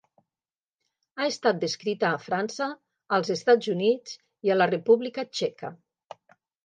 Ha estat descrita a França, als Estats Units i a la República Txeca.